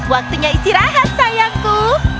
waktunya istirahat sayangku